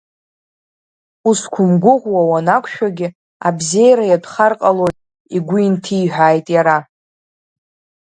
Узқәымгәыӷуа уанақәшәогьы, абзеира иатәхар ҟалоит, игәы инҭиҳәааит иара.